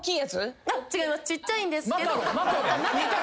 ちっちゃいんですけど。